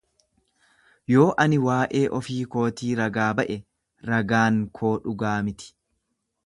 Yoo ani waa’ee ofii kootii ragaa ba’e, ragaan koo dhugaa miti.